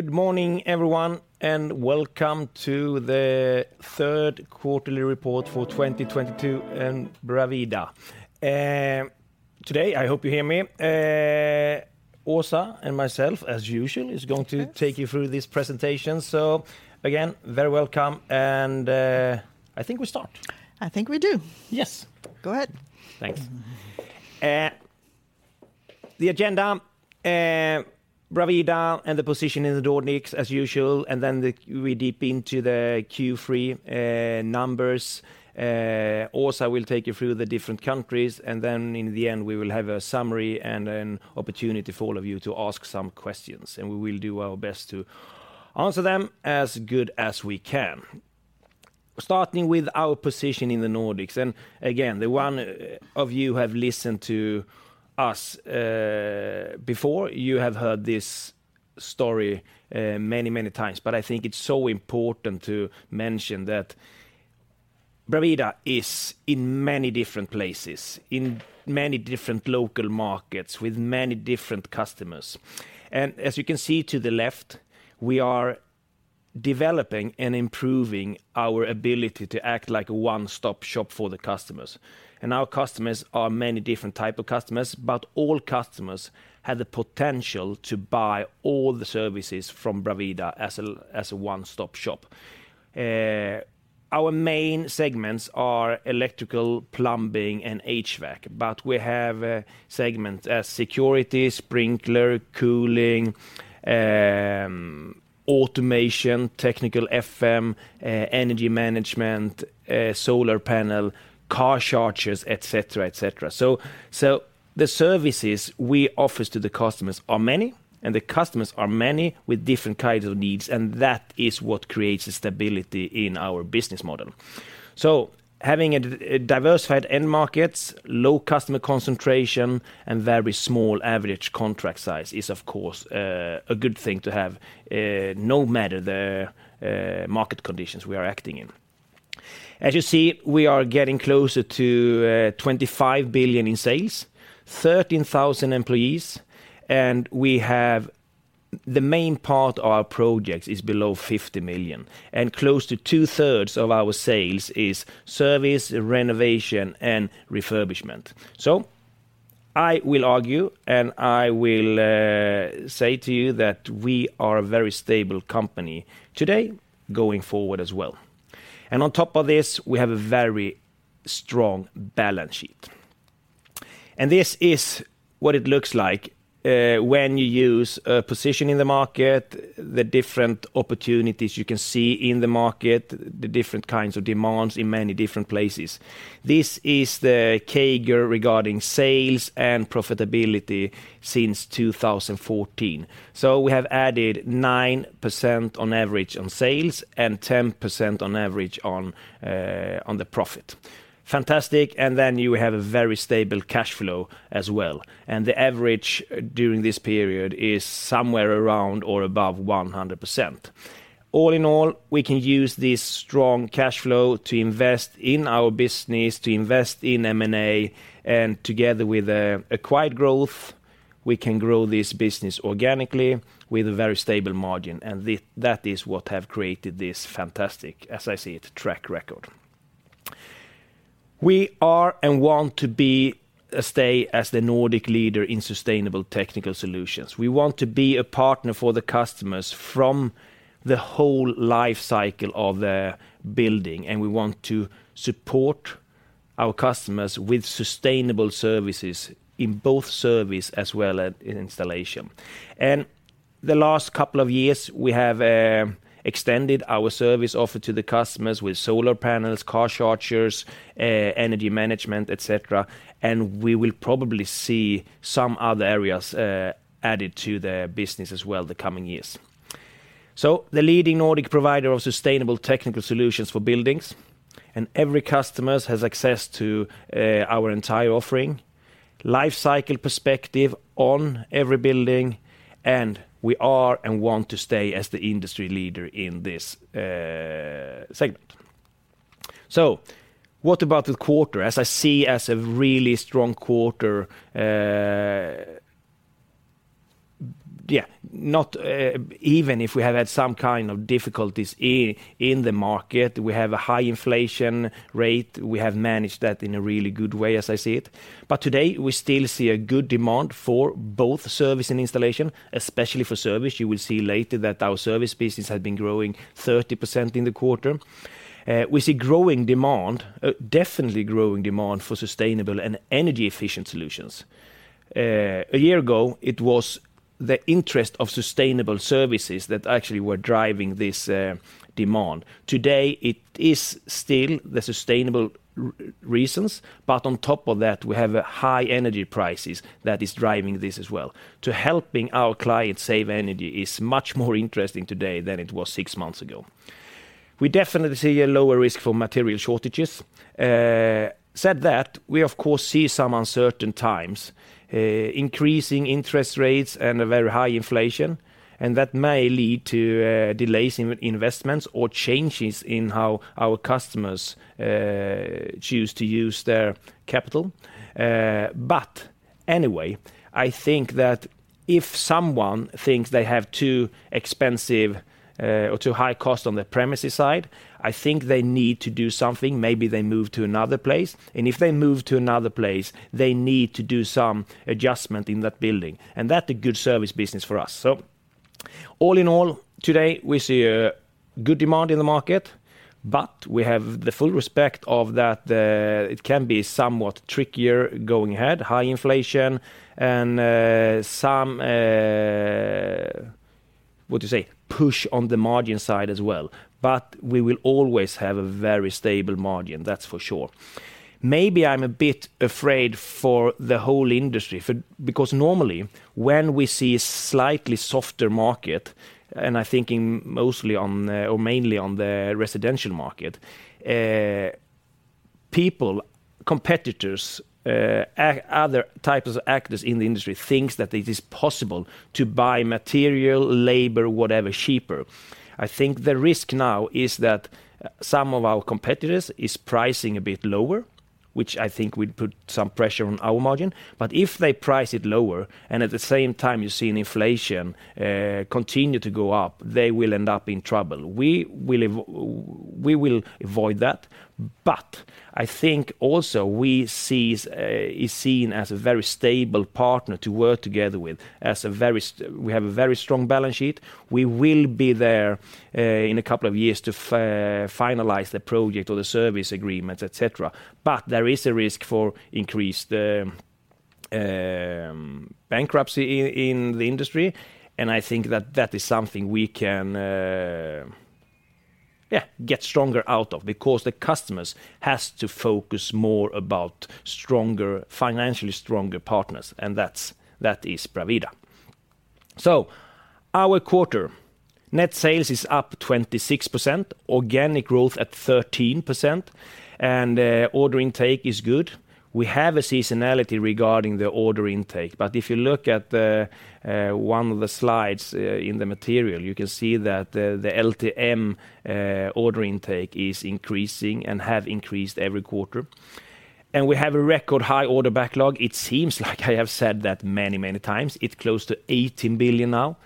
Good morning, everyone, and welcome to the third quarterly report for 2022 in Bravida. Today, I hope you hear me, Åsa and myself, as usual, is going to- Yes Take you through this presentation. Again, very welcome and, I think we start. I think we do. Yes. Go ahead. Thanks. The agenda, Bravida and the position in the Nordics as usual, and then we'll dive deep into the Q3 numbers. Åsa will take you through the different countries, and then in the end, we will have a summary and an opportunity for all of you to ask some questions, and we will do our best to answer them as good as we can. Starting with our position in the Nordics, and again, those of you who have listened to us before, you have heard this story many times. I think it's so important to mention that Bravida is in many different places, in many different local markets with many different customers. As you can see to the left, we are developing and improving our ability to act like a one-stop shop for the customers. Our customers are many different type of customers, but all customers have the potential to buy all the services from Bravida as a one-stop shop. Our main segments are electrical, plumbing, and HVAC, but we have segments as security, sprinkler, cooling, automation, technical FM, energy management, solar panel, car chargers, et cetera. The services we offers to the customers are many, and the customers are many with different kinds of needs, and that is what creates the stability in our business model. Having a diversified end markets, low customer concentration, and very small average contract size is of course a good thing to have, no matter the market conditions we are acting in. As you see, we are getting closer to 25 billion in sales, 13,000 employees, and the main part of our projects is below 50 million, and close to two-thirds of our sales is service, renovation, and refurbishment. I will argue, and I will say to you that we are a very stable company today, going forward as well. On top of this, we have a very strong balance sheet. This is what it looks like when you use a position in the market, the different opportunities you can see in the market, the different kinds of demands in many different places. This is the CAGR regarding sales and profitability since 2014. We have added 9% on average on sales and 10% on average on the profit. Fantastic, you have a very stable cash flow as well, and the average during this period is somewhere around or above 100%. All in all, we can use this strong cash flow to invest in our business, to invest in M&A, and together with acquired growth, we can grow this business organically with a very stable margin, and that is what have created this fantastic, as I see it, track record. We are and want to stay as the Nordic leader in sustainable technical solutions. We want to be a partner for the customers from the whole life cycle of their building, and we want to support our customers with sustainable services in both service as well as in installation. The last couple of years, we have extended our service offer to the customers with solar panels, car chargers, energy management, et cetera, and we will probably see some other areas added to their business as well the coming years. The leading Nordic provider of sustainable technical solutions for buildings, and every customers has access to our entire offering, life cycle perspective on every building, and we are and want to stay as the industry leader in this segment. What about the quarter? As I see it as a really strong quarter, even if we have had some kind of difficulties in the market, we have a high inflation rate, we have managed that in a really good way, as I see it. Today, we still see a good demand for both service and installation, especially for service. You will see later that our service business had been growing 30% in the quarter. We see growing demand, definitely growing demand for sustainable and energy-efficient solutions. A year ago, it was the interest in sustainable services that actually were driving this demand. Today, it is still the sustainable reasons, but on top of that, we have high energy prices that is driving this as well. Helping our clients save energy is much more interesting today than it was six months ago. We definitely see a lower risk for material shortages. That said, we of course see some uncertain times, increasing interest rates and a very high inflation, and that may lead to delays in investments or changes in how our customers choose to use their capital. Anyway, I think that if someone thinks they have too expensive, or too high cost on the premises side, I think they need to do something. Maybe they move to another place, and if they move to another place, they need to do some adjustment in that building, and that's a good service business for us. All in all, today we see a good demand in the market, but we have the full respect of that, it can be somewhat trickier going ahead, high inflation and, some, what do you say, push on the margin side as well. We will always have a very stable margin, that's for sure. Maybe I'm a bit afraid for the whole industry. Because normally when we see a slightly softer market, and I think it's mostly on the, or mainly on the residential market, people, competitors, other types of actors in the industry thinks that it is possible to buy material, labor, whatever, cheaper. I think the risk now is that some of our competitors is pricing a bit lower, which I think will put some pressure on our margin. If they price it lower, and at the same time you're seeing inflation continue to go up, they will end up in trouble. We will avoid that. I think also we are seen as a very stable partner to work together with. We have a very strong balance sheet. We will be there in a couple of years to finalize the project or the service agreements, et cetera. There is a risk for increased bankruptcy in the industry, and I think that is something we can yeah get stronger out of because the customers has to focus more about stronger, financially stronger partners, and that is Bravida. Our quarter net sales is up 26%, organic growth at 13%, and order intake is good. We have a seasonality regarding the order intake, but if you look at one of the slides in the material, you can see that the LTM order intake is increasing and have increased every quarter. We have a record high order backlog. It seems like I have said that many times. It's close to 18 billion now.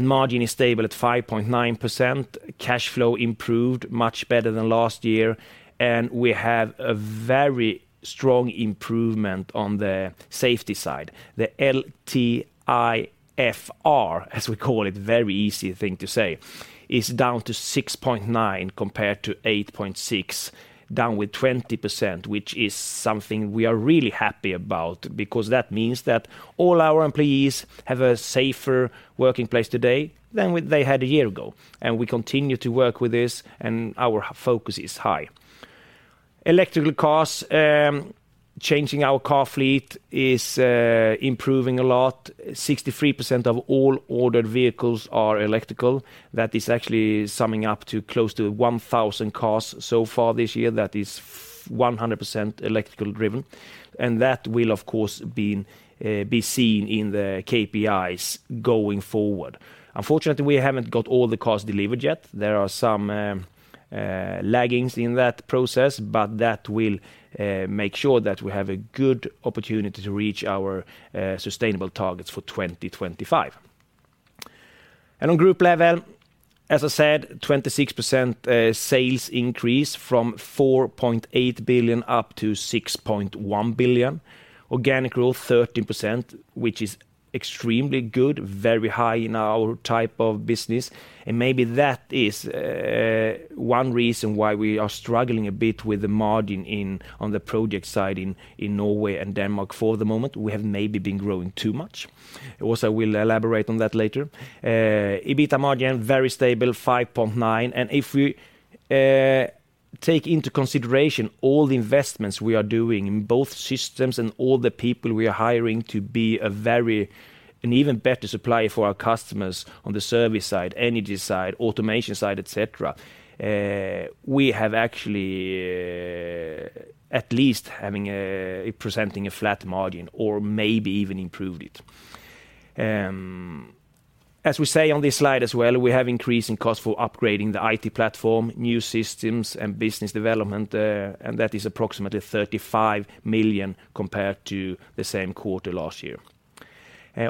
Margin is stable at 5.9%. Cash flow improved much better than last year, and we have a very strong improvement on the safety side. The LTIFR, as we call it, very easy thing to say, is down to 6.9% compared to 8.6%, down with 20%, which is something we are really happy about because that means that all our employees have a safer working place today than they had a year ago. We continue to work with this, and our focus is high. Electric cars, changing our car fleet is improving a lot. 63% of all ordered vehicles are electric. That is actually summing up to close to 1,000 cars so far this year that is 100% electrically driven. That will, of course, be seen in the KPIs going forward. Unfortunately, we haven't got all the cars delivered yet. There are some laggings in that process, but that will make sure that we have a good opportunity to reach our sustainable targets for 2025. On group level, as I said, 26% sales increase from 4.8 billion-6.1 billion. Organic growth 13%, which is extremely good, very high in our type of business. Maybe that is one reason why we are struggling a bit with the margin on the project side in Norway and Denmark for the moment. We have maybe been growing too much. Also, we'll elaborate on that later. EBITA margin, very stable, 5.9%. If we take into consideration all the investments we are doing in both systems and all the people we are hiring to be an even better supplier for our customers on the service side, energy side, automation side, et cetera, we have actually at least presenting a flat margin or maybe even improved it. As we say on this slide as well, we have increase in cost for upgrading the IT platform, new systems, and business development, and that is approximately 35 million compared to the same quarter last year.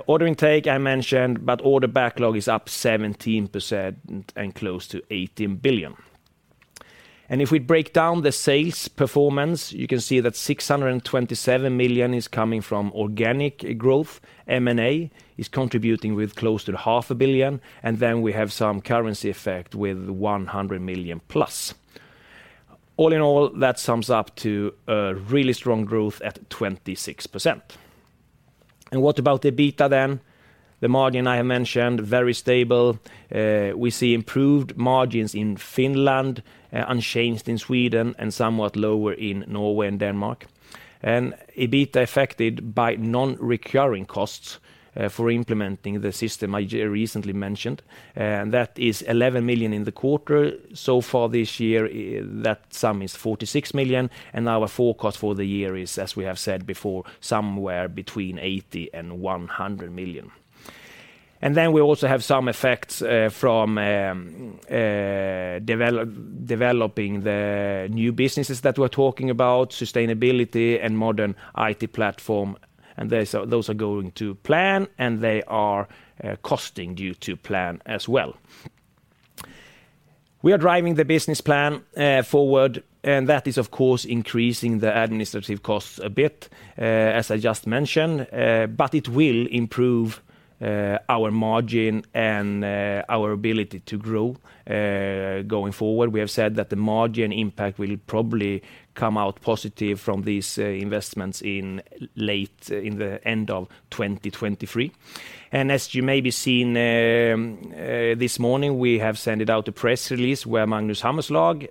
Order intake I mentioned, but order backlog is up 17% and close to 18 billion. If we break down the sales performance, you can see that 627 million is coming from organic growth. M&A is contributing with close to 500 million, and then we have some currency effect with 100 million plus. All in all, that sums up to a really strong growth at 26%. What about the EBITA then? The margin I mentioned, very stable. We see improved margins in Finland, unchanged in Sweden, and somewhat lower in Norway and Denmark. EBIT affected by non-recurring costs, for implementing the system I recently mentioned, and that is 11 million in the quarter. So far this year, that sum is 46 million, and our forecast for the year is, as we have said before, somewhere between 80 million and 100 million. We also have some effects, from developing the new businesses that we're talking about, sustainability and modern IT platform. Those are going to plan, and they are costing to plan as well. We are driving the business plan forward, and that is, of course, increasing the administrative costs a bit, as I just mentioned. But it will improve our margin and our ability to grow going forward. We have said that the margin impact will probably come out positive from these investments in late, in the end of 2023. As you may have seen, this morning, we have sent out a press release where Magnus Liljefors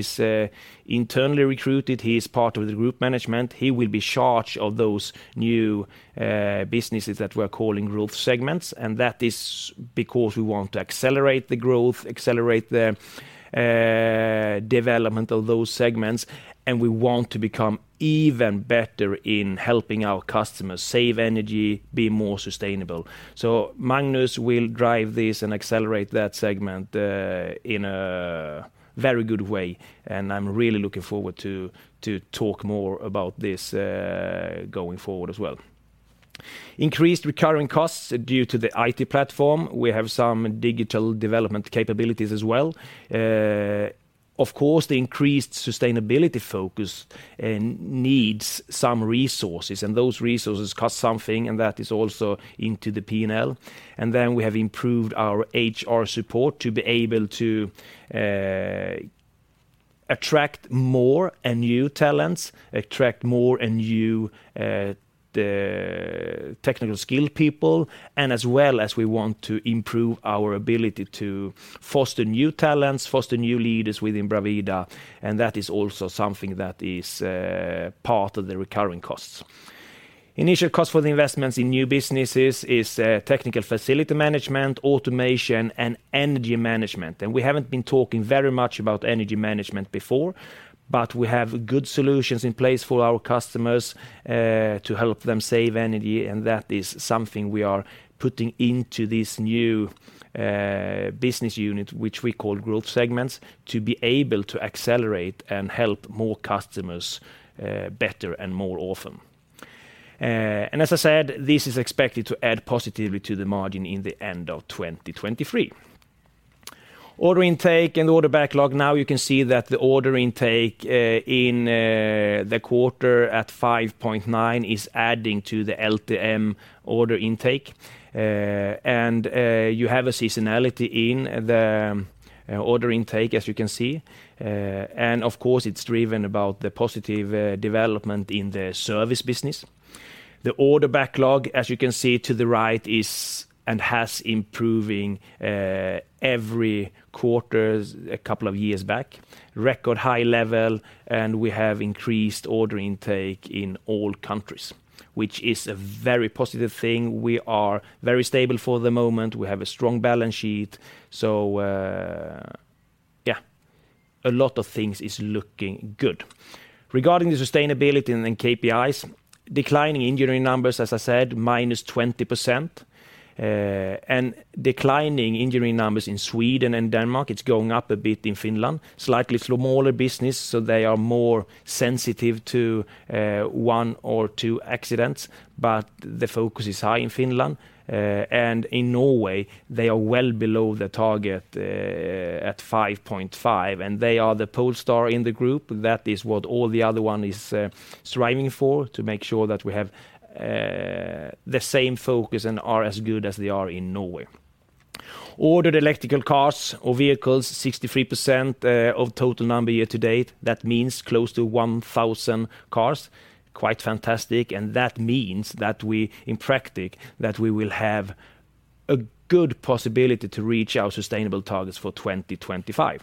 is internally recruited. He is part of the group management. He will be in charge of those new businesses that we're calling growth segments. That is because we want to accelerate the growth, development of those segments, and we want to become even better in helping our customers save energy, be more sustainable. Magnus will drive this and accelerate that segment, in a very good way, and I'm really looking forward to talk more about this, going forward as well. Increased recurring costs due to the IT platform. We have some digital development capabilities as well. Of course, the increased sustainability focus needs some resources, and those resources cost something, and that is also into the P&L. We have improved our HR support to be able to attract more and new talents, the technical skilled people, and as well as we want to improve our ability to foster new talents, foster new leaders within Bravida, and that is also something that is part of the recurring costs. Initial cost for the investments in new businesses is technical facility management, automation, and energy management. We haven't been talking very much about energy management before, but we have good solutions in place for our customers to help them save energy, and that is something we are putting into this new business unit, which we call growth segments, to be able to accelerate and help more customers better and more often. As I said, this is expected to add positively to the margin at the end of 2023. Order intake and order backlog. Now you can see that the order intake in the quarter at 5.9 is adding to the LTM order intake. You have a seasonality in the order intake, as you can see. Of course, it's driven by the positive development in the service business. The order backlog, as you can see to the right, is and has been improving every quarter a couple of years back. Record high level, we have increased order intake in all countries, which is a very positive thing. We are very stable for the moment. We have a strong balance sheet. Yeah, a lot of things is looking good. Regarding the sustainability and then KPIs, declining injury numbers, as I said, -20%. Declining injury numbers in Sweden and Denmark. It's going up a bit in Finland. Slightly smaller business, so they are more sensitive to one or two accidents, but the focus is high in Finland. In Norway, they are well below the target at 5.5, and they are the pole star in the group. That is what all the other one is striving for, to make sure that we have the same focus and are as good as they are in Norway. Ordered electrical cars or vehicles, 63% of total number year to date. That means close to 1,000 cars. Quite fantastic. That means that we will have a good possibility to reach our sustainable targets for 2025.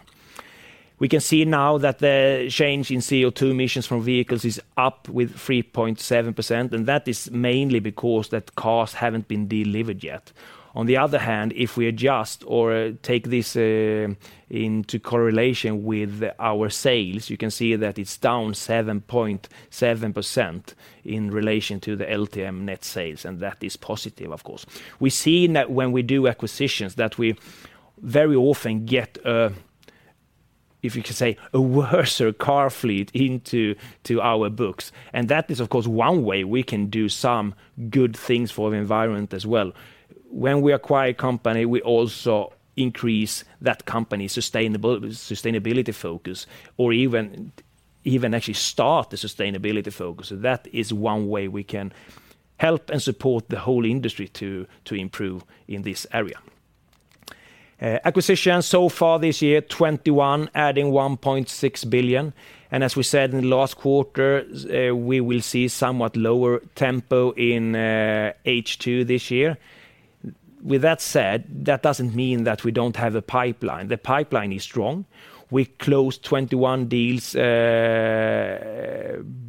We can see now that the change in CO2 emissions from vehicles is up by 3.7%, and that is mainly because cars haven't been delivered yet. On the other hand, if we adjust or take this into correlation with our sales, you can see that it's down 7.7% in relation to the LTM net sales, and that is positive, of course. We've seen that when we do acquisitions, that we very often get, if you could say, a worse car fleet into our books. That is, of course, one way we can do some good things for the environment as well. When we acquire a company, we also increase that company's sustainability focus or even actually start the sustainability focus. That is one way we can help and support the whole industry to improve in this area. Acquisitions so far this year, 21, adding 1.6 billion. As we said in last quarter, we will see somewhat lower tempo in H2 this year. With that said, that doesn't mean that we don't have a pipeline. The pipeline is strong. We closed 21 deals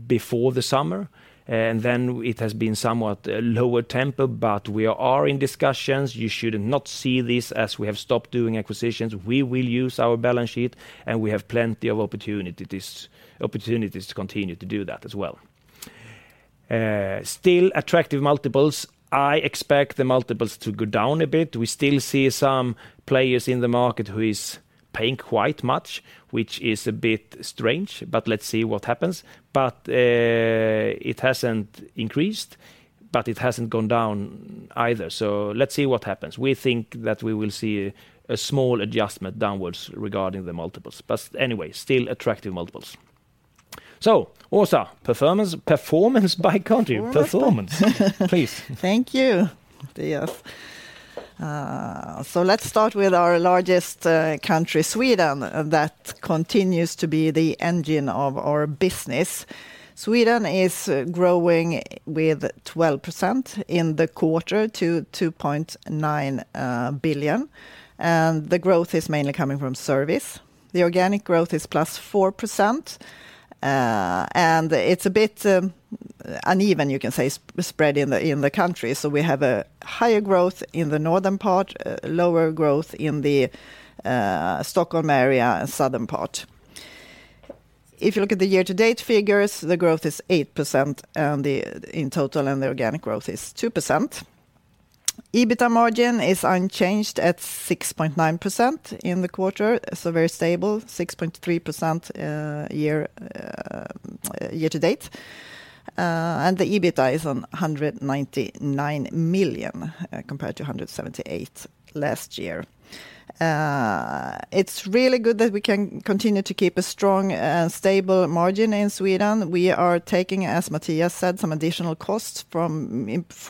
before the summer, and then it has been somewhat a lower tempo, but we are in discussions. You should not see this as we have stopped doing acquisitions. We will use our balance sheet, and we have plenty of opportunities to continue to do that as well. Still attractive multiples. I expect the multiples to go down a bit. We still see some players in the market who is paying quite much, which is a bit strange, but let's see what happens. It hasn't increased, but it hasn't gone down either. Let's see what happens. We think that we will see a small adjustment downwards regarding the multiples. Anyway, still attractive multiples. Åsa, performance by country. Performance. Please. Thank you, Mattias. Let's start with our largest country, Sweden, that continues to be the engine of our business. Sweden is growing with 12% in the quarter to 2.9 billion, and the growth is mainly coming from service. The organic growth is +4%, and it's a bit uneven, you can say, spread in the country. We have a higher growth in the northern part, lower growth in the Stockholm area and southern part. If you look at the year-to-date figures, the growth is 8% in total, and the organic growth is 2%. EBITDA margin is unchanged at 6.9% in the quarter, so very stable, 6.3% year-to-date. The EBITDA is 199 million, compared to 178 million last year. It's really good that we can continue to keep a strong and stable margin in Sweden. We are taking, as Mattias said, some additional costs for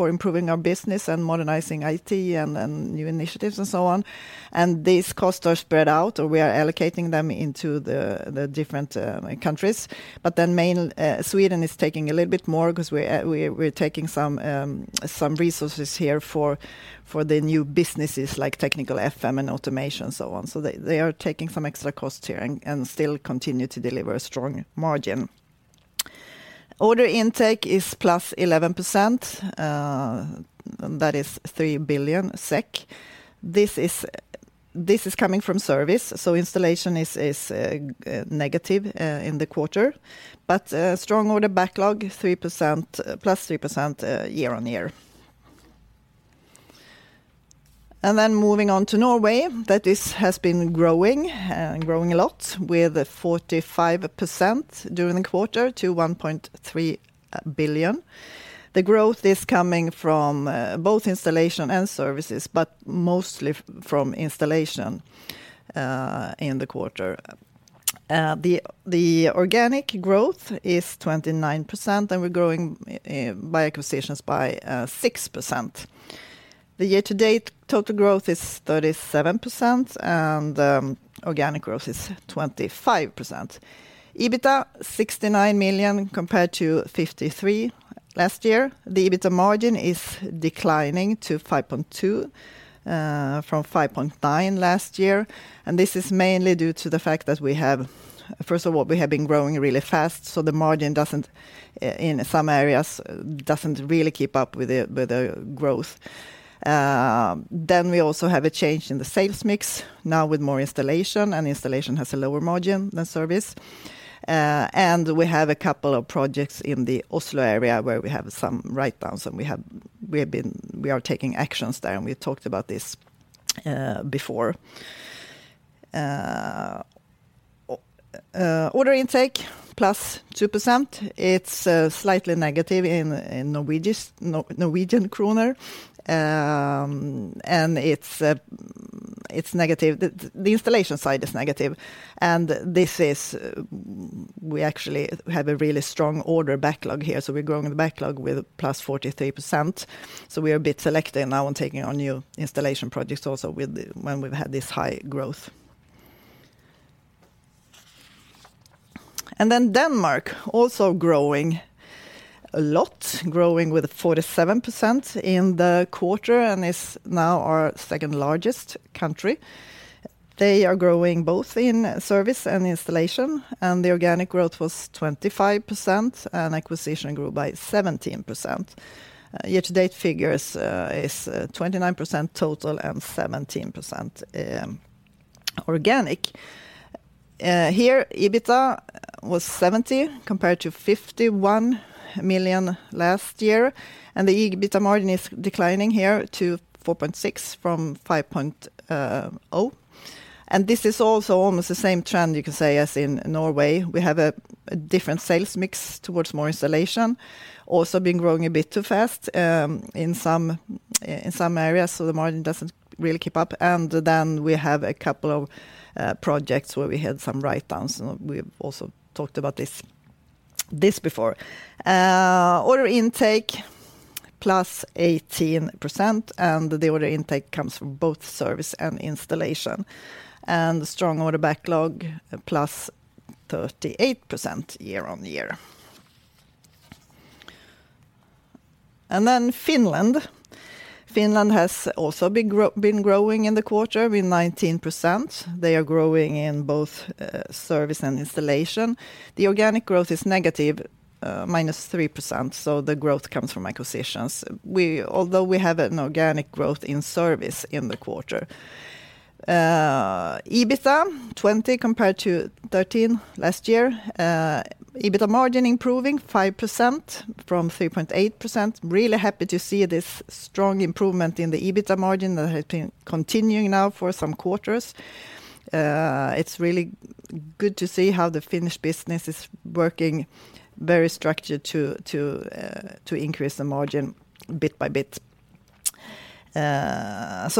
improving our business and modernizing IT and new initiatives and so on, and these costs are spread out, or we are allocating them into the different countries. Mainly Sweden is taking a little bit more because we're taking some resources here for the new businesses like Technical FM and automation and so on. They are taking some extra cost here and still continue to deliver a strong margin. Order intake is +11%, that is 3 billion SEK. This is coming from service, so installation is negative in the quarter, but strong order backlog 3% plus 3% year-on-year. Moving on to Norway, that has been growing a lot with a 45% during the quarter to 1.3 billion. The growth is coming from both installation and services, but mostly from installation in the quarter. The organic growth is 29%, and we're growing by acquisitions 6%. The year-to-date total growth is 37%, and organic growth is 25%. EBITDA, 69 million compared to 53 million last year. The EBITDA margin is declining to 5.2% from 5.9% last year, and this is mainly due to the fact that, first of all, we have been growing really fast, so the margin doesn't in some areas really keep up with the growth. We also have a change in the sales mix, now with more installation, and installation has a lower margin than service. We have a couple of projects in the Oslo area where we have some write-downs, and we are taking actions there, and we talked about this before. Order intake +2%. It's slightly negative in Norwegian kroner, and it's negative. The installation side is negative, and this is, we actually have a really strong order backlog here, so we're growing the backlog with +43%. We are a bit selective now on taking on new installation projects also with the when we've had this high growth. Denmark also growing a lot, growing with 47% in the quarter, and is now our second-largest country. They are growing both in service and installation, and the organic growth was 25%, and acquisition grew by 17%. Year-to-date figures is 29% total and 17% organic. Here EBITDA was 70 million compared to 51 million last year, and the EBITDA margin is declining here to 4.6% from 5.0%. This is also almost the same trend, you can say, as in Norway. We have a different sales mix towards more installation. We've been growing a bit too fast in some areas, so the margin doesn't really keep up. We have a couple of projects where we had some write-downs. We've also talked about this before. Order intake +18%, and the order intake comes from both service and installation. Strong order backlog +38% year-on-year. Finland has also been growing in the quarter with 19%. They are growing in both service and installation. The organic growth is negative -3%, so the growth comes from acquisitions. Although we have an organic growth in service in the quarter. EBITDA 20 compared to 13 last year. EBITDA margin improving 5% from 3.8%. Really happy to see this strong improvement in the EBITDA margin that has been continuing now for some quarters. It's really good to see how the Finnish business is working very structured to increase the margin bit by bit.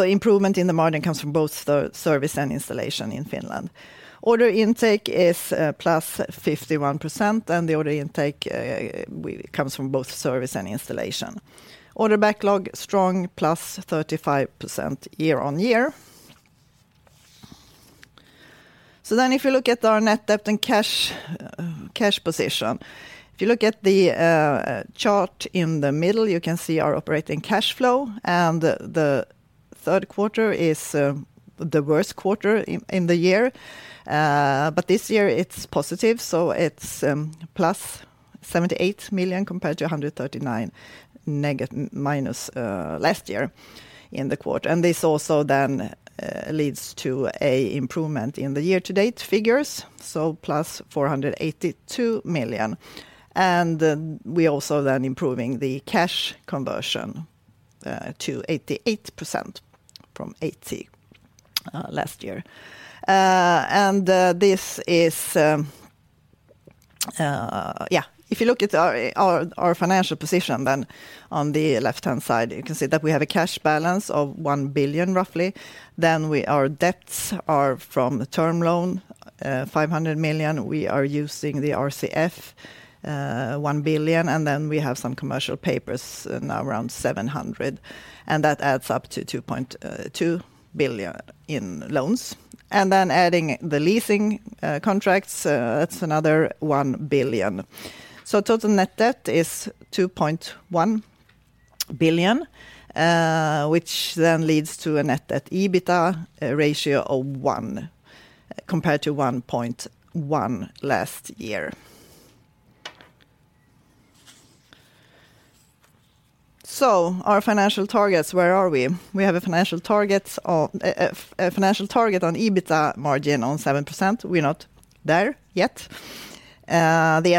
Improvement in the margin comes from both the service and installation in Finland. Order intake is plus 51%, and the order intake comes from both service and installation. Order backlog strong, +35% year-over-year. If you look at our net debt and cash position. If you look at the chart in the middle, you can see our operating cash flow, and the third quarter is the worst quarter in the year. This year it's positive, so it's + 78 million compared to -139 million last year in the quarter. This also then leads to a improvement in the year-to-date figures, so plus 482 million. We're also then improving the cash conversion to 88% from 80% last year. This is if you look at our financial position then on the left-hand side, you can see that we have a cash balance of 1 billion, roughly. Our debts are from term loan 500 million. We are using the RCF 1 billion, and then we have some commercial papers now around 700 million, and that adds up to 2.2 billion in loans. Adding the leasing contracts, that's another 1 billion. Total net debt is 2.1 billion, which then leads to a net debt EBITDA ratio of one compared to 1.1 last year. Our financial targets, where are we? We have a financial target of 7% EBITDA margin. We're not there yet. The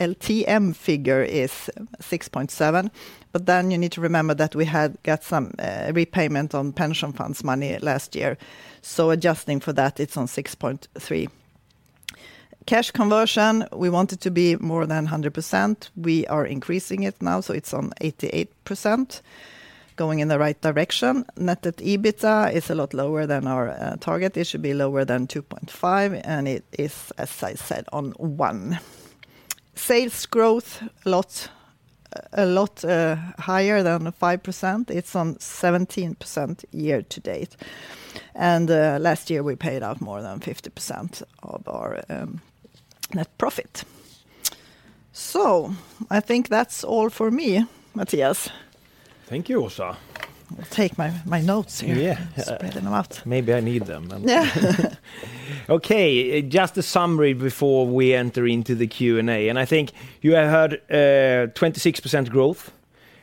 LTM figure is 6.7%, but then you need to remember that we had some repayment of pension funds money last year. Adjusting for that, it's at 6.3%. Cash conversion, we want it to be more than 100%. We are increasing it now, so it's at 88%, going in the right direction. Net debt EBITDA is a lot lower than our target. It should be lower than 2.5, and it is, as I said, at one. Sales growth a lot higher than 5%. It's on 17% year to date. Last year we paid out more than 50% of our net profit. I think that's all for me, Mattias. Thank you, Åsa. I'll take my notes here. Yeah. Spread them out. Maybe I need them. Yeah. Okay, just a summary before we enter into the Q&A. I think you have heard 26% growth,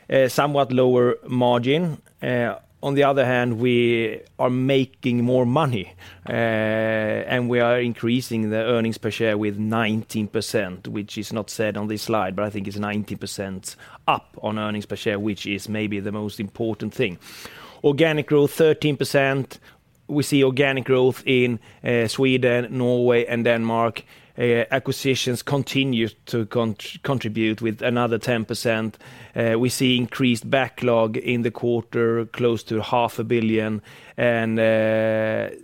a somewhat lower margin. On the other hand, we are making more money, and we are increasing the earnings per share with 19%, which is not said on this slide, but I think it's 19% up on earnings per share, which is maybe the most important thing. Organic growth 13%. We see organic growth in Sweden, Norway, and Denmark. Acquisitions continue to contribute with another 10%. We see increased backlog in the quarter, close to half a billion SEK.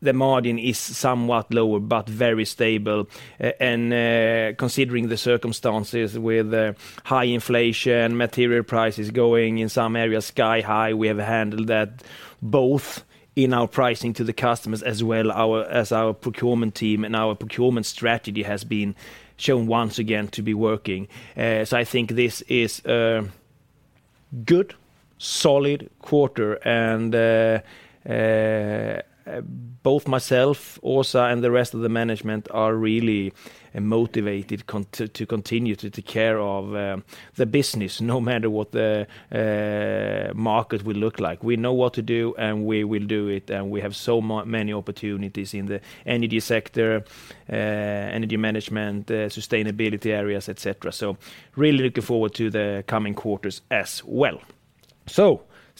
The margin is somewhat lower but very stable. Considering the circumstances with the high inflation, material prices going in some areas sky-high, we have handled that both in our pricing to the customers as well as our procurement team and our procurement strategy has been shown once again to be working. I think this is good solid quarter and both myself, Åsa, and the rest of the management are really motivated to continue to take care of the business no matter what the market will look like. We know what to do, and we will do it, and we have so many opportunities in the energy sector, energy management, sustainability areas, et cetera. Really looking forward to the coming quarters as well. With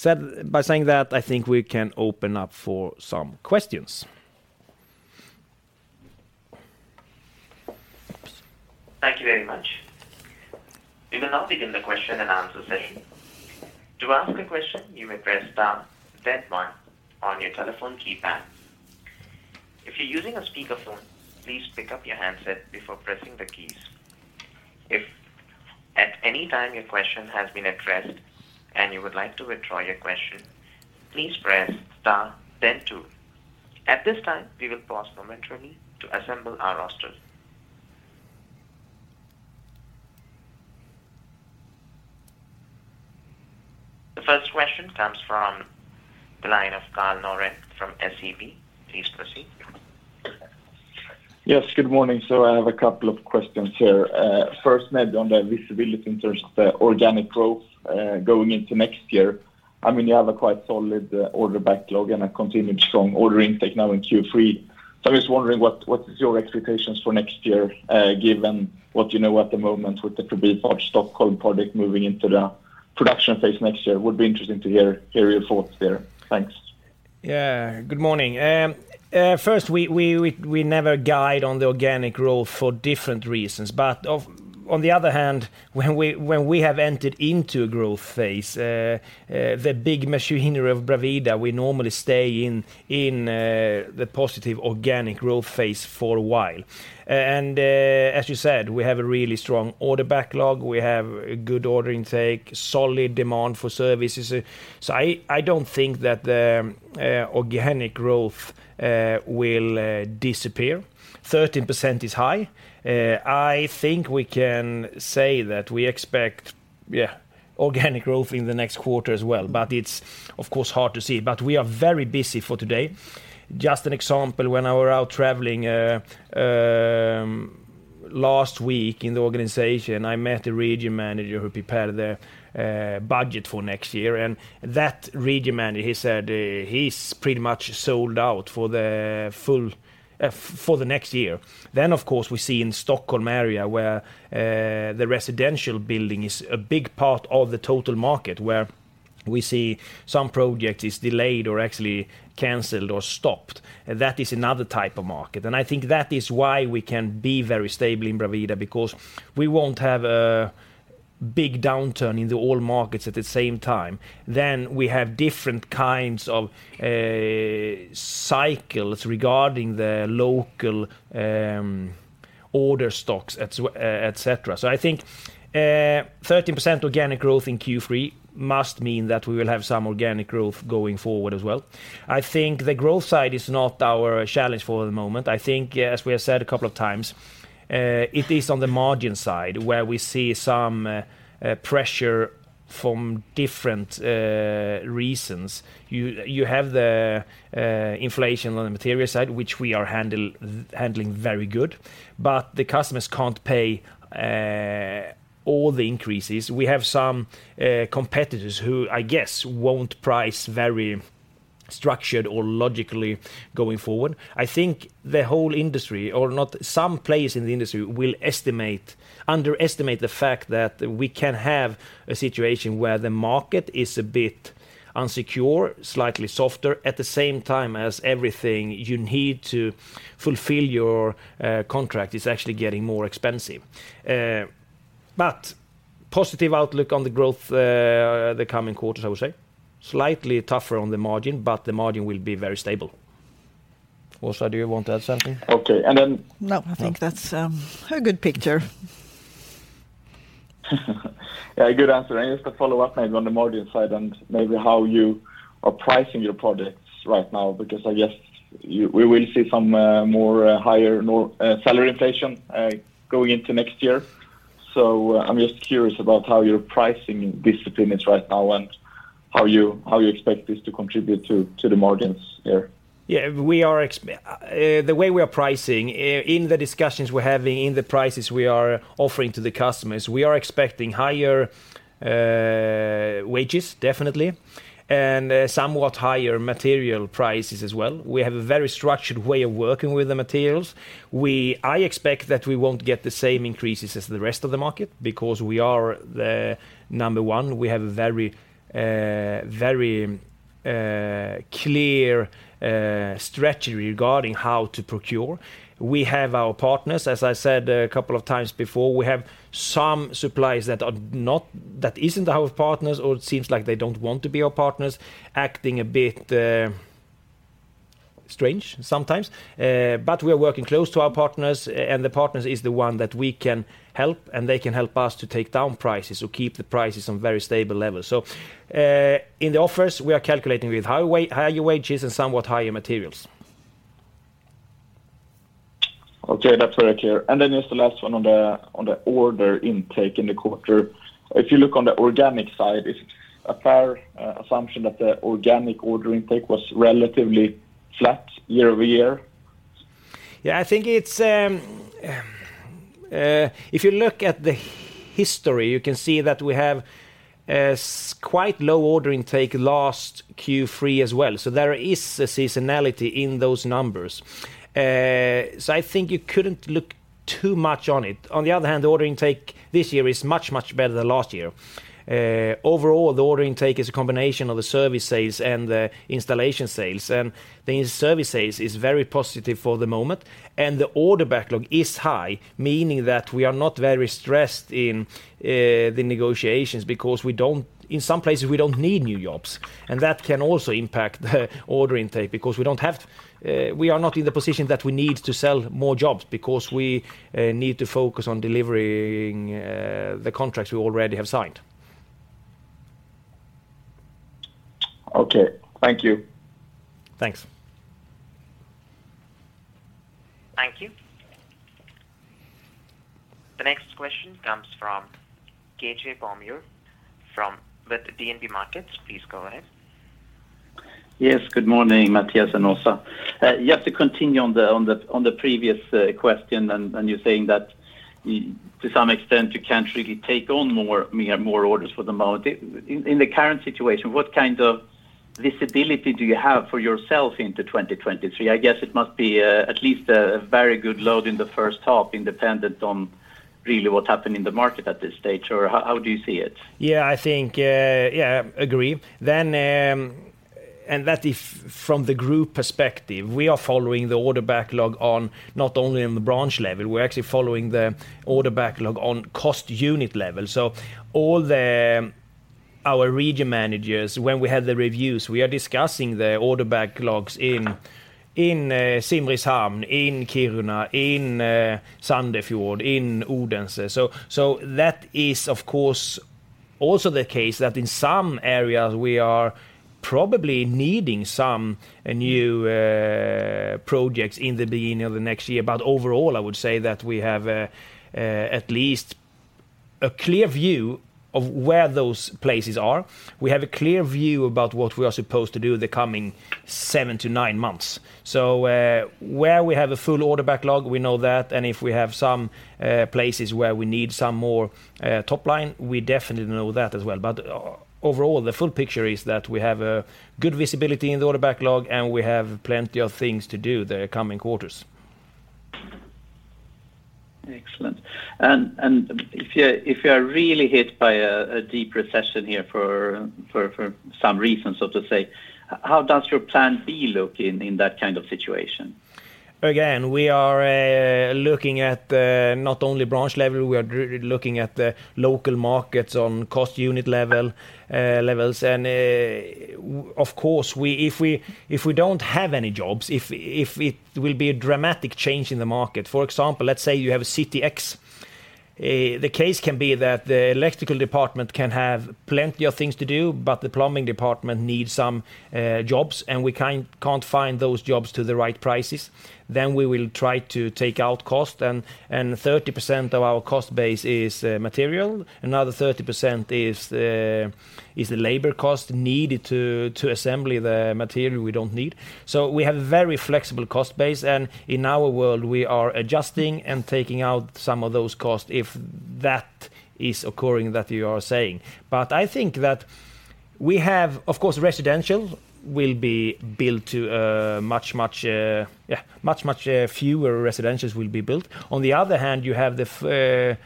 that said, I think we can open up for some questions. Thank you very much. We will now begin the question and answer session. To ask a question, you may press star then one on your telephone keypad. If you're using a speakerphone, please pick up your handset before pressing the keys. If at any time your question has been addressed and you would like to withdraw your question, please press star then two. At this time, we will pause momentarily to assemble our rosters. The first question comes from the line of Carl Rådeström from SEB. Please proceed. Yes, good morning. I have a couple of questions here. First, maybe on the visibility in terms of the organic growth, going into next year. I mean, you have a quite solid order backlog and a continued strong order intake now in Q3. I'm just wondering what is your expectations for next year, given what you know at the moment with the Nya Slussen project moving into the production phase next year? Would be interesting to hear your thoughts there. Thanks. Yeah. Good morning. First, we never guide on the organic growth for different reasons. On the other hand, when we have entered into a growth phase, the big machinery of Bravida, we normally stay in the positive organic growth phase for a while. As you said, we have a really strong order backlog. We have a good order intake, solid demand for services. I don't think that the organic growth will disappear. 13% is high. I think we can say that we expect, yeah, organic growth in the next quarter as well. It's, of course, hard to see. We are very busy for today. Just an example, when I was out traveling last week in the organization, I met a region manager who prepared the budget for next year. That region manager, he said, he's pretty much sold out for the full for the next year. Of course, we see in the Stockholm area, where the residential building is a big part of the total market, where we see some project is delayed or actually canceled or stopped. That is another type of market. I think that is why we can be very stable in Bravida, because we won't have a big downturn in the oil markets at the same time. We have different kinds of cycles regarding the local order stocks et cetera. I think, 13% organic growth in Q3 must mean that we will have some organic growth going forward as well. I think the growth side is not our challenge for the moment. I think, as we have said a couple of times, it is on the margin side where we see some pressure from different reasons. You have the inflation on the material side, which we are handling very good, but the customers can't pay all the increases. We have some competitors who, I guess, won't price very structured or logically going forward. I think the whole industry or not, some players in the industry will underestimate the fact that we can have a situation where the market is a bit insecure, slightly softer. At the same time as everything you need to fulfill your contract is actually getting more expensive. Positive outlook on the growth, the coming quarters, I would say. Slightly tougher on the margin, but the margin will be very stable. Åsa, do you want to add something? Okay. No, I think that's a good picture. Yeah, good answer. Just a follow-up maybe on the margin side and maybe how you are pricing your products right now, because I guess we will see some more higher salary inflation going into next year. I'm just curious about how you're pricing discipline is right now and how you expect this to contribute to the margins here. Yeah. The way we are pricing in the discussions we're having, in the prices we are offering to the customers, we are expecting higher wages, definitely, and somewhat higher material prices as well. We have a very structured way of working with the materials. I expect that we won't get the same increases as the rest of the market because we are the number one. We have a very clear strategy regarding how to procure. We have our partners, as I said a couple of times before, we have some suppliers that aren't our partners or it seems like they don't want to be our partners, acting a bit strange sometimes. We are working close to our partners, and the partners is the one that we can help, and they can help us to take down prices or keep the prices on very stable levels. In the offers, we are calculating with higher wages and somewhat higher materials. Okay, that's very clear. Just the last one on the order intake in the quarter. If you look on the organic side, is it a fair assumption that the organic order intake was relatively flat year-over-year? Yeah, I think it's if you look at the history, you can see that we have quite low order intake last Q3 as well. There is a seasonality in those numbers. I think you shouldn't look too much on it. On the other hand, the order intake this year is much, much better than last year. Overall, the order intake is a combination of the service sales and the installation sales. The service sales is very positive for the moment. The order backlog is high, meaning that we are not very stressed in the negotiations because we don't, in some places, we don't need new jobs. That can also impact the order intake because we don't have, we are not in the position that we need to sell more jobs because we need to focus on delivering the contracts we already have signed. Okay. Thank you. Thanks. Thank you. The next question comes from Kjetil Bøhn with DNB Markets. Please go ahead. Yes, good morning, Mattias and Åsa. Just to continue on the previous question and you're saying that to some extent you can't really take on more, I mean, more orders for the moment. In the current situation, what kind of visibility do you have for yourself into 2023? I guess it must be at least a very good load in the first half independent on really what happened in the market at this stage, or how do you see it? Yeah, I think, yeah, agree. That is from the group perspective, we are following the order backlog on not only the branch level, we are actually following the order backlog on cost unit level. All our region managers, when we have the reviews, we are discussing the order backlogs in Simrishamn, in Kiruna, in Sandefjord, in Odense. That is, of course, also the case that in some areas we are probably needing some new projects in the beginning of the next year. Overall, I would say that we have at least a clear view of where those places are. We have a clear view about what we are supposed to do the coming seven to nine months. Where we have a full order backlog, we know that, and if we have some places where we need some more top line, we definitely know that as well. Overall, the full picture is that we have a good visibility in the order backlog, and we have plenty of things to do the coming quarters. Excellent. If you are really hit by a deep recession here for some reason, so to say, how does your plan B look in that kind of situation? Again, we are looking at not only branch level, we are looking at the local markets on cost unit levels. Of course, if we don't have any jobs, if it will be a dramatic change in the market, for example, let's say you have a CTX, the case can be that the electrical department can have plenty of things to do, but the plumbing department needs some jobs, and we can't find those jobs at the right prices, then we will try to take out cost. 30% of our cost base is material. Another 30% is the labor cost needed to assemble the material we do need. So we have a very flexible cost base. In our world, we are adjusting and taking out some of those costs if that is occurring that you are saying. I think that we have. Of course, residential will be built too, much fewer residentials will be built. On the other hand, you have the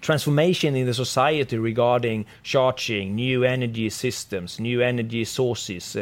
transformation in the society regarding charging, new energy systems, new energy sources,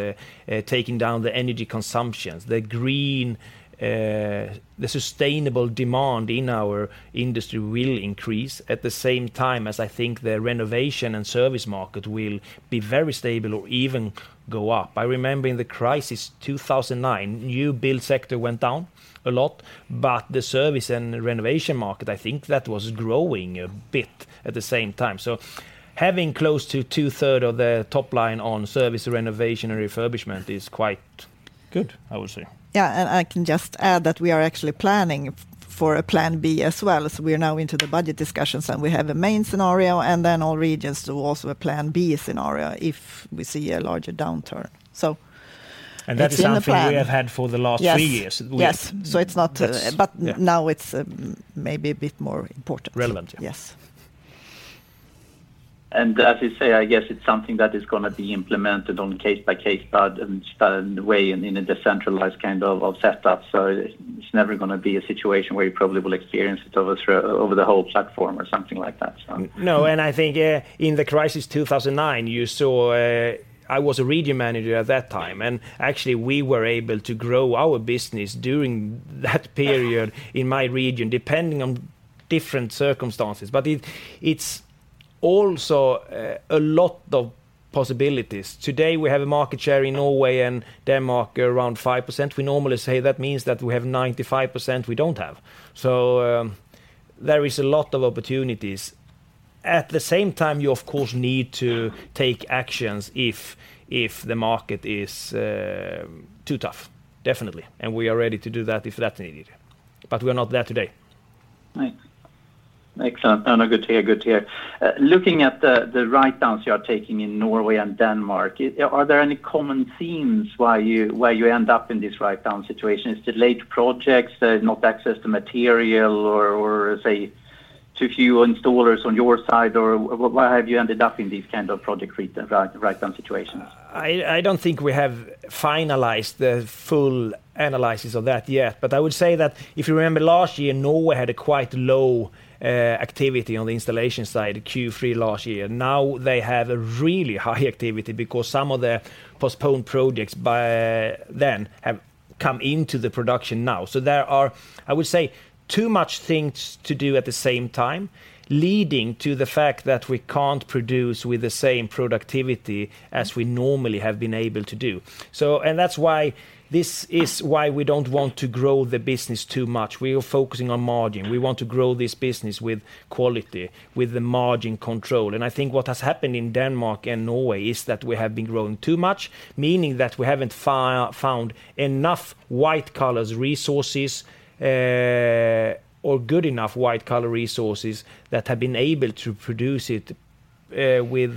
taking down the energy consumptions. The green, the sustainable demand in our industry will increase at the same time as I think the renovation and service market will be very stable or even go up. I remember in the crisis 2009, new build sector went down a lot, but the service and renovation market, I think that was growing a bit at the same time. Having close to two-thirds of the top line on service renovation and refurbishment is quite good, I would say. Yeah. I can just add that we are actually planning for a plan B as well, as we are now into the budget discussions, and we have a main scenario, and then all regions do also a plan B scenario if we see a larger downturn. It's in the plan. That is something we have had for the last three years with. Yes. Yes. It's not That's. Yeah. now it's maybe a bit more important. Relevant. Yes. As you say, I guess it's something that is gonna be implemented on case by case but in a way in a decentralized kind of setup. It's never gonna be a situation where you probably will experience it over the whole platform or something like that. No. I think in the crisis 2009, you saw. I was a region manager at that time, and actually we were able to grow our business during that period in my region, depending on different circumstances. It's also a lot of possibilities. Today, we have a market share in Norway and Denmark around 5%. We normally say that means that we have 95% we don't have. There is a lot of opportunities. At the same time, you of course need to take actions if the market is too tough. Definitely. We are ready to do that if that's needed. We're not there today. Right. Excellent. Good to hear, good to hear. Looking at the write-downs you are taking in Norway and Denmark, is there any common themes why you end up in this write-down situation? Is it late projects, not access to material or, say, too few installers on your side, or why have you ended up in these kind of project write-down situations? I don't think we have finalized the full analysis of that yet. I would say that if you remember last year, Norway had a quite low activity on the installation side, Q3 last year. Now they have a really high activity because some of the postponed projects by then have come into the production now. There are, I would say, too much things to do at the same time, leading to the fact that we can't produce with the same productivity as we normally have been able to do. That's why, this is why we don't want to grow the business too much. We are focusing on margin. We want to grow this business with quality, with the margin control. I think what has happened in Denmark and Norway is that we have been growing too much, meaning that we haven't found enough white collar resources, or good enough white collar resources that have been able to produce it with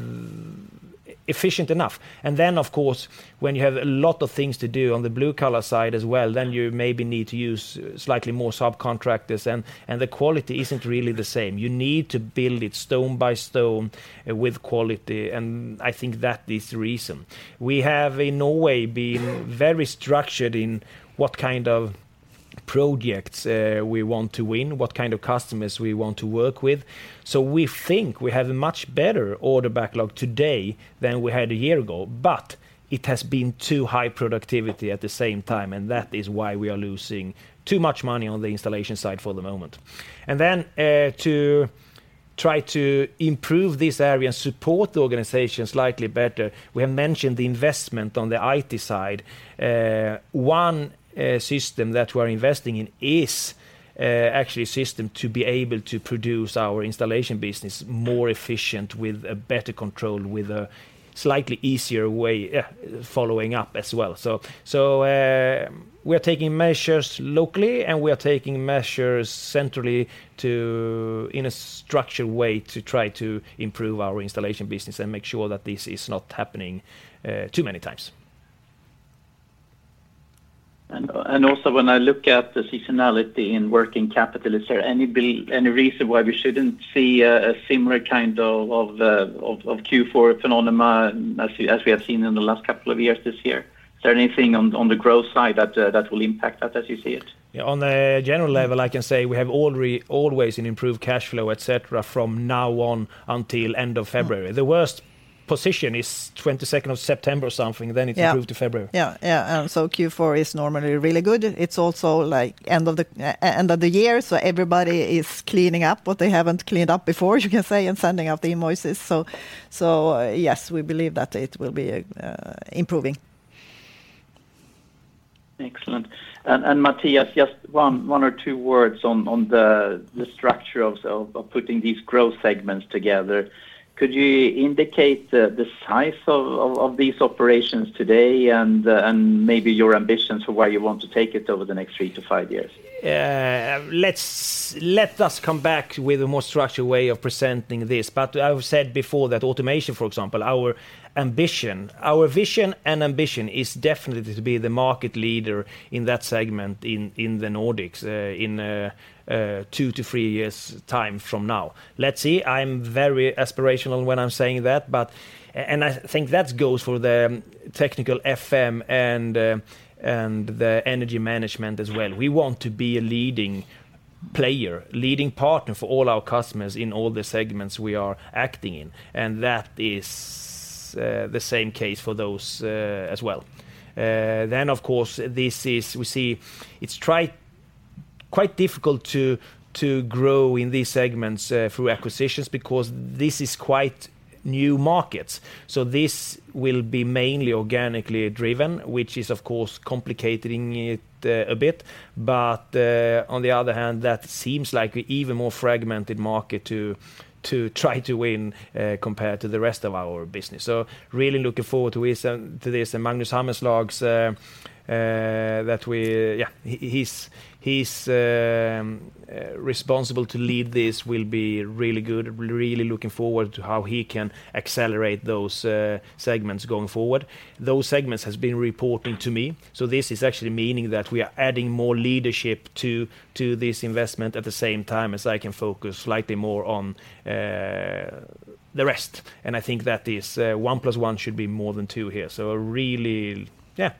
efficient enough. Of course, when you have a lot of things to do on the blue collar side as well, you maybe need to use slightly more subcontractors and the quality isn't really the same. You need to build it stone by stone, with quality, and I think that is the reason. We have in Norway been very structured in what kind of projects we want to win, what kind of customers we want to work with. We think we have a much better order backlog today than we had a year ago, but it has been too high productivity at the same time, and that is why we are losing too much money on the installation side for the moment. To try to improve this area and support the organization slightly better, we have mentioned the investment on the IT side. One system that we're investing in is actually a system to be able to produce our installation business more efficient with a better control, with a slightly easier way following up as well. We are taking measures locally, and we are taking measures centrally in a structured way to try to improve our installation business and make sure that this is not happening too many times. When I look at the seasonality in working capital, is there any reason why we shouldn't see a similar kind of Q4 phenomenon as we have seen in the last couple of years this year? Is there anything on the growth side that will impact that as you see it? Yeah. On a general level, I can say we have already always an improved cash flow, et cetera, from now on until end of February. The worst position is 22nd of September or something. Yeah... it improved to February. Q4 is normally really good. It's also, like, end of the year, so everybody is cleaning up what they haven't cleaned up before, you can say, and sending out the invoices. Yes, we believe that it will be improving. Excellent. Mattias, just one or two words on the structure of putting these growth segments together. Could you indicate the size of these operations today and maybe your ambitions for where you want to take it over the next three to five years? Let us come back with a more structured way of presenting this. I've said before that automation, for example, our ambition, our vision and ambition is definitely to be the market leader in that segment in the Nordics, in two to three years time from now. Let's see. I'm very aspirational when I'm saying that, but I think that goes for the technical FM and the energy management as well. We want to be a leading player, leading partner for all our customers in all the segments we are acting in, and that is the same case for those as well. Of course, we see it's tight, quite difficult to grow in these segments through acquisitions because this is quite new markets. This will be mainly organically driven, which is of course complicating it, a bit. On the other hand, that seems like even more fragmented market to try to win, compared to the rest of our business. Really looking forward to this. Magnus Liljefors' responsible to lead this will be really good. Really looking forward to how he can accelerate those segments going forward. Those segments has been reporting to me, so this is actually meaning that we are adding more leadership to this investment at the same time as I can focus slightly more on the rest. I think that is one plus one should be more than two here. Really, yeah.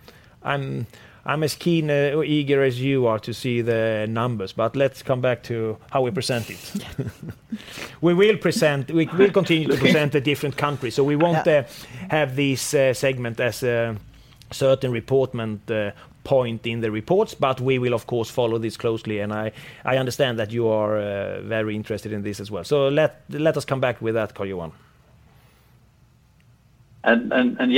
I'm as keen or eager as you are to see the numbers, but let's come back to how we present it. Yeah. We'll continue to present the different countries. Yeah. We won't have this segment as a certain reporting point in the reports, but we will of course follow this closely, and I understand that you are very interested in this as well. Let us come back with that, Kjetil.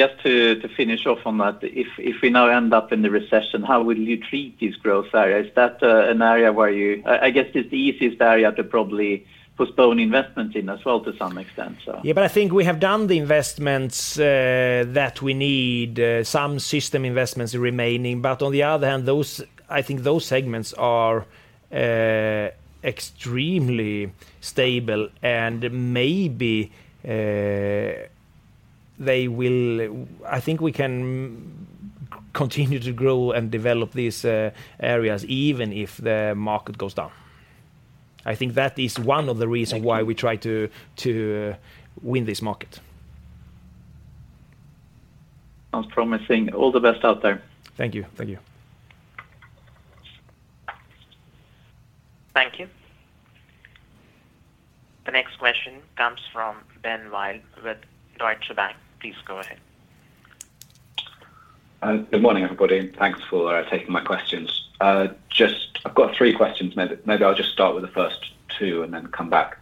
Just to finish off on that. If we now end up in the recession, how will you treat these growth areas? Is that an area where you I guess it's the easiest area to probably postpone investments in as well to some extent, so. Yeah, I think we have done the investments that we need. Some system investments remaining, but on the other hand, those segments are extremely stable. I think we can continue to grow and develop these areas even if the market goes down. I think that is one of the reason why we try to win this market. Sounds promising. All the best out there. Thank you. Thank you. Thank you. The next question comes from Ben Wilde with Deutsche Bank. Please go ahead. Good morning, everybody, and thanks for taking my questions. Just I've got three questions. Maybe I'll just start with the first two and then come back.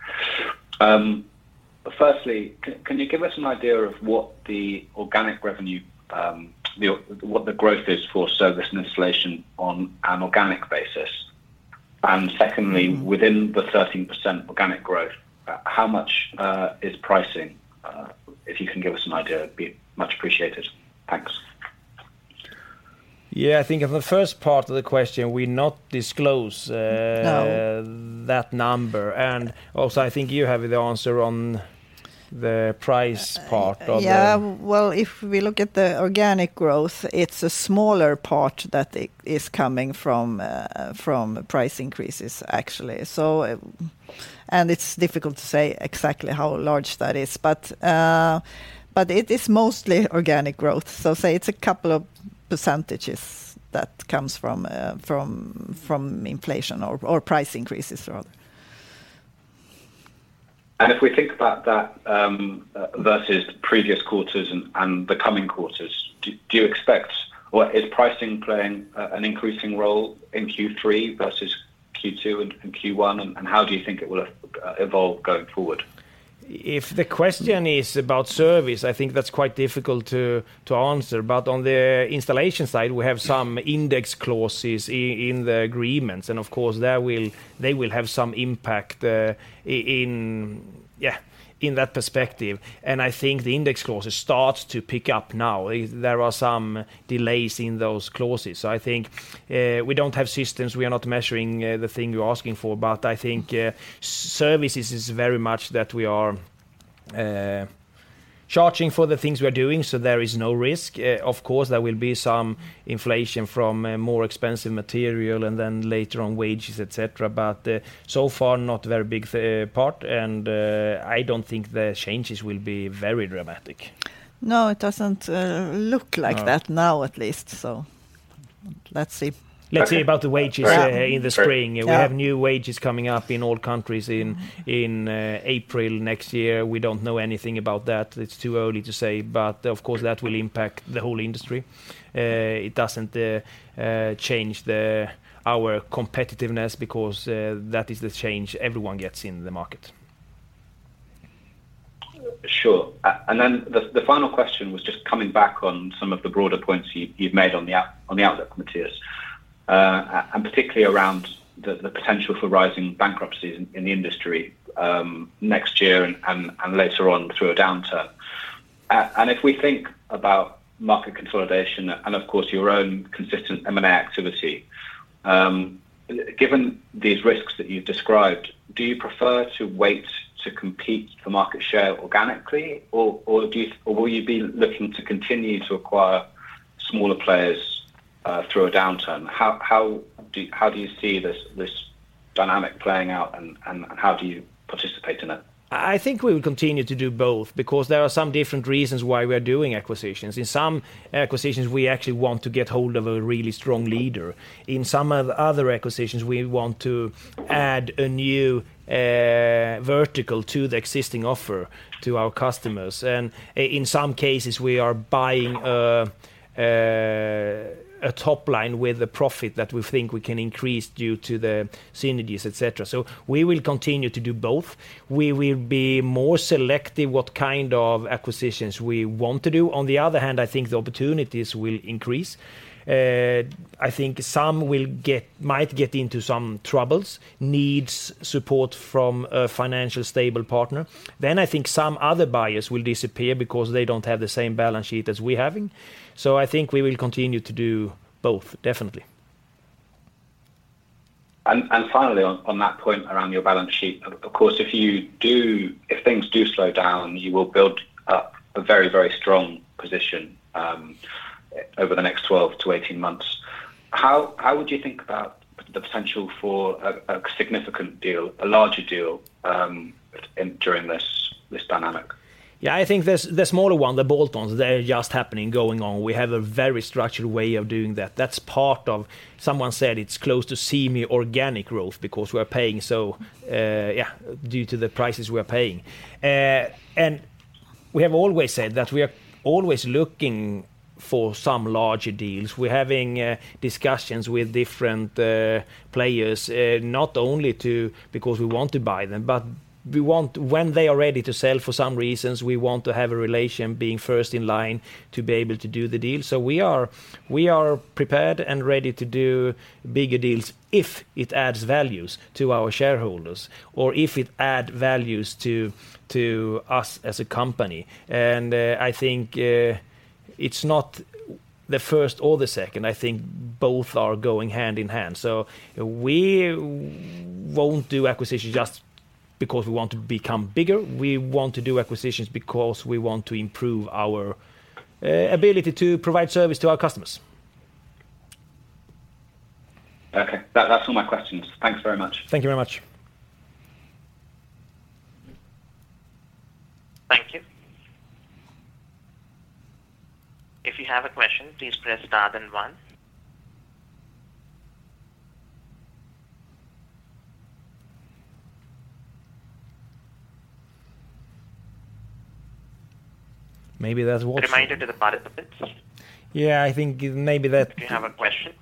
Firstly, can you give us an idea of what the organic revenue, what the growth is for service and installation on an organic basis? And secondly, within the 13% organic growth, how much is pricing? If you can give us an idea, it'd be much appreciated. Yeah, I think on the first part of the question, we not disclose. No that number. Also, I think you have the answer on the price part of the- Well, if we look at the organic growth, it's a smaller part that is coming from price increases actually. It's difficult to say exactly how large that is. It is mostly organic growth. Say it's a couple of percentages that comes from inflation or price increases rather. If we think about that versus previous quarters and the coming quarters, do you expect or is pricing playing an increasing role in Q3 versus Q2 and Q1? How do you think it will evolve going forward? If the question is about service, I think that's quite difficult to answer. On the installation side, we have some index clauses in the agreements, and of course, they will have some impact in that perspective. I think the index clauses starts to pick up now. There are some delays in those clauses. I think we don't have systems, we are not measuring the thing you're asking for. I think services is very much that we are charging for the things we are doing, so there is no risk. Of course, there will be some inflation from more expensive material and then later on wages, et cetera. So far, not very big part, and I don't think the changes will be very dramatic. No. It doesn't look like that. No now at least. Let's see. Let's see about the wages in the spring. Yeah. We have new wages coming up in all countries in April next year. We don't know anything about that. It's too early to say. Of course, that will impact the whole industry. It doesn't change our competitiveness because that is the change everyone gets in the market. Sure. The final question was just coming back on some of the broader points you've made on the outlook, Mattias, and particularly around the potential for rising bankruptcies in the industry next year and later on through a downturn. If we think about market consolidation and of course your own consistent M&A activity, given these risks that you've described, do you prefer to wait to compete for market share organically or will you be looking to continue to acquire smaller players through a downturn? How do you see this dynamic playing out and how do you participate in it? I think we will continue to do both because there are some different reasons why we're doing acquisitions. In some acquisitions, we actually want to get hold of a really strong leader. In some of the other acquisitions, we want to add a new vertical to the existing offer to our customers. In some cases, we are buying a top line with a profit that we think we can increase due to the synergies, et cetera. We will continue to do both. We will be more selective what kind of acquisitions we want to do. On the other hand, I think the opportunities will increase. I think some might get into some troubles, needs support from a financial stable partner. I think some other buyers will disappear because they don't have the same balance sheet as we're having. I think we will continue to do both, definitely. Finally, on that point around your balance sheet, of course, if things do slow down, you will build up a very, very strong position over the next 12-18 months. How would you think about the potential for a significant deal, a larger deal, during this dynamic? Yeah, I think the smaller one, the bolt-ons, they're just happening, going on. We have a very structured way of doing that. That's part of someone said it's close to semi organic growth because we're paying so, yeah, due to the prices we're paying. We have always said that we are always looking for some larger deals. We're having discussions with different players, not only to, because we want to buy them, but we want when they are ready to sell for some reasons, we want to have a relation being first in line to be able to do the deal. We are prepared and ready to do bigger deals if it adds values to our shareholders or if it add values to us as a company. I think it's not the first or the second. I think both are going hand in hand. We won't do acquisitions just because we want to become bigger. We want to do acquisitions because we want to improve our ability to provide service to our customers. Okay. That's all my questions. Thanks very much. Thank you very much. Thank you. If you have a question, please press star then one. Maybe that was- Reminder to the participants. Yeah, I think maybe that. If you have a question.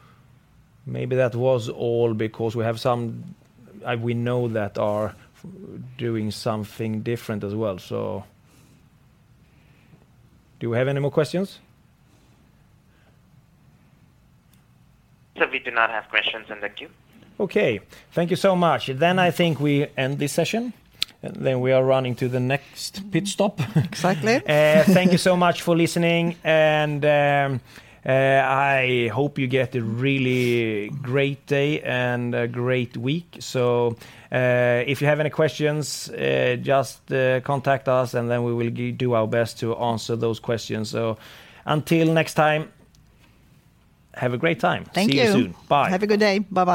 Maybe that was all because we have some we know that are doing something different as well. Do we have any more questions? We do not have questions in the queue. Okay. Thank you so much. I think we end this session. We are running to the next pit stop. Exactly. Thank you so much for listening and I hope you get a really great day and a great week. If you have any questions, just contact us, and then we will do our best to answer those questions. Until next time, have a great time. Thank you. See you soon. Bye. Have a good day. Bye-bye.